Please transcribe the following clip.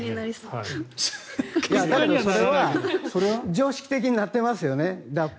だけどそれは常識的になってますよね。